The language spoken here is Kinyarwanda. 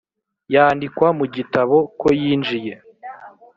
yandikwa mu gitabo ko yinjiye,